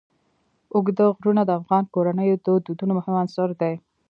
اوږده غرونه د افغان کورنیو د دودونو مهم عنصر دی.